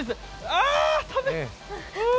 あー、寒い！